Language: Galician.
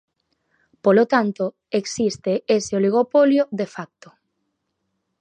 Polo tanto, existe ese oligopolio de facto.